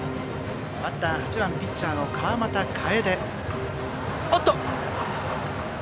バッターは８番ピッチャーの川又楓。